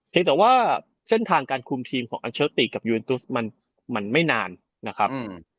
แต่ว่าเส้นทางการคุมทีมของอันเฉลติกับมันมันไม่นานนะครับอืม